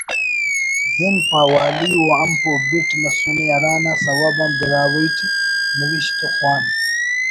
زند پہوالی و امپ و بِٹ مسنے ہرانا سوب آن براہوئی ٹی نوشت و خوان